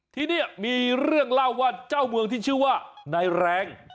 ที่นี่มีเรื่องเล่าว่าเจ้าเมืองที่ชื่อว่านายแรง